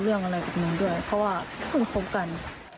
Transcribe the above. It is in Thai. เรื่องอะไรกับหนึ่งด้วยเพราะว่าคุณคงพบกัน